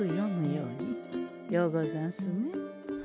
ようござんすね。